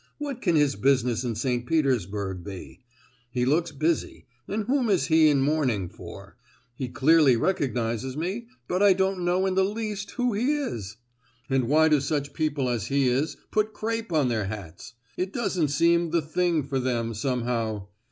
"What can his business in St. Petersburg be?—he looks busy: and whom is he in mourning for? He clearly recognises me, but I don't know in the least who he is! And why do such people as he is put crape on their hats? it doesn't seem 'the thing' for them, somehow!